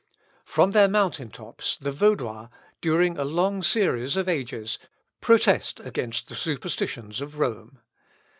From their mountain tops the Vaudois, during a long series of ages, protest against the superstitions of Rome.